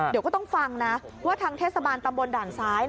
เดี๋ยวก็ต้องฟังนะว่าทางเทศบาลตำบลด่านซ้าย